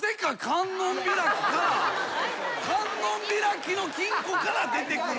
観音開きの金庫から出てくるんですね。